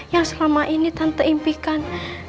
yang selama ini tanpa impikan